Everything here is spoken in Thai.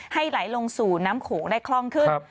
ให้ไหลลงสู่น้ำโขงได้คล่องขึ้น